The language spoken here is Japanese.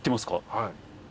はい。